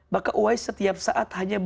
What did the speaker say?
maka uai setiap saat hanya